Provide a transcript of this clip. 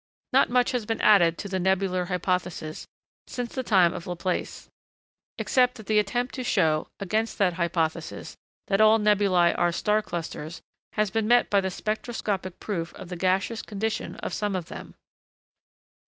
Not much has been added to the nebular hypothesis, since the time of Laplace, except that the attempt to show (against that hypothesis) that all nebulæ are star clusters, has been met by the spectroscopic proof of the gaseous condition of some of them.